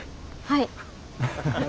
はい。